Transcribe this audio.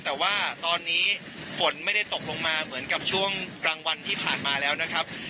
แต่ว่าตอนนี้ฝนไม่ได้ตกลงมาเหมือนกับช่วงกลางวันที่ผ่านมาแล้วนะครับ